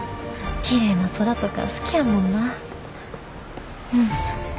きれいな空とか好きやもんな。うん。